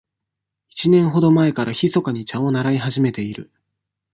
一年ほど前からひそかに茶を習い始めている。